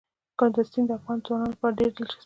کندز سیند د افغان ځوانانو لپاره ډېره دلچسپي لري.